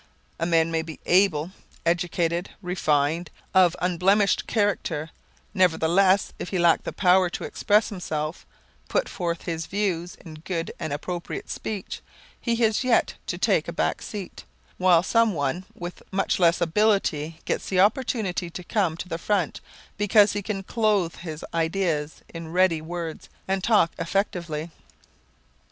A man may be able, educated, refined, of unblemished character, nevertheless if he lack the power to express himself, put forth his views in good and appropriate speech he has to take a back seat, while some one with much less ability gets the opportunity to come to the front because he can clothe his ideas in ready words and talk effectively.